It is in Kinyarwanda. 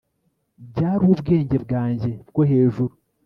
byari ubwenge bwanjye bwo hejuru